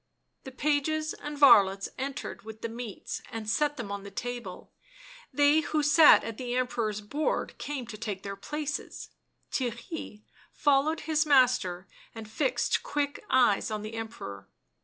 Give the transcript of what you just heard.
The pages and varlets entered with the meats and' set them on the table ; they who sat at the Emperor's board came to take their places ; Theirry followed his master and fixed quick eyes on the Emperor.